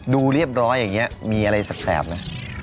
ดูเรียบร้อยอย่างนี้มีอะไรแสบไหม